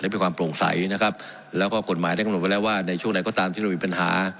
แล้วก็กฎหมายได้กำหนดไว้แล้วว่าในช่วงไหนก็ตามที่เรามีปัญหา